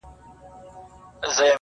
د جمال د ذوق پارونکي ګڼي